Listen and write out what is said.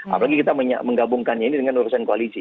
apalagi kita menggabungkannya ini dengan urusan koalisi